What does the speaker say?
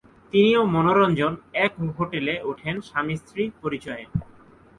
তিনি ও মনোরঞ্জন এক হোটেলে ওঠেন স্বামী-স্ত্রী পরিচয়ে।